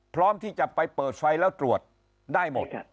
พร้อมที่จะไปเปิดไฟแล้วตรวจได้หมด